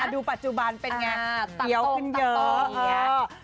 ดูปัจจุบันเป็นไงเตี๋ยวขึ้นเยอะ